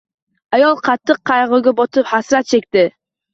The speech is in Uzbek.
Ayol qattiq qayg`uga botib, hasrat chekdi